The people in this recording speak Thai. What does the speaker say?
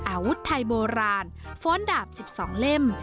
อาวุธไทยโบราณฟ้อนดาบ๑๒เล่ม